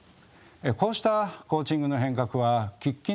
こうしたコーチングの変革は喫緊の課題です。